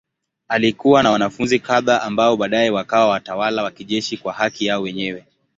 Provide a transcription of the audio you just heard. Alikuwa na wanafunzi kadhaa ambao baadaye wakawa watawala wa kijeshi kwa haki yao wenyewe.